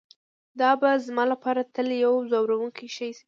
دا به زما لپاره تل یو ځورونکی شی وي